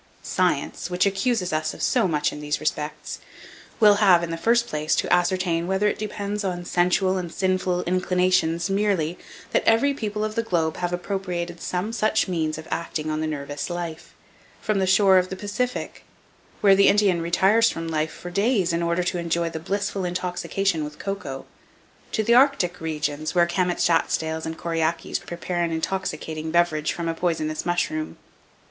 Science, which accuses us of so much in these respects, will have, in the first place, to ascertain whether it depends on sensual and sinful inclinations merely, that every people of the globe have appropriated some such means of acting on the nervous life, from the shore of the Pacific, where the Indian retires from life for days in order to enjoy the bliss of intoxication with koko, to the Arctic regions, where Kamtschatdales and Koriakes prepare an intoxicating beverage from a poisonous mushroom.